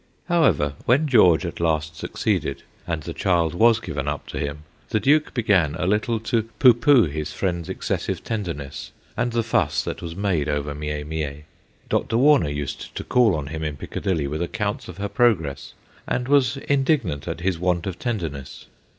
However, when George at last succeeded, and the child was given up to him, the Duke began a little to pooh pooh his friend's excessive tenderness and the fuss that was made over Mie Mie. Dr. Warner used to call on him in Piccadilly with accounts of her progress, and was indignant at his want of tenderness.